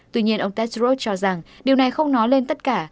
tuy nhiên ông testrot cho rằng điều này không nói lên tất cả